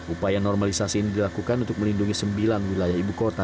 upaya normalisasi ini dilakukan untuk melindungi sembilan wilayah ibu kota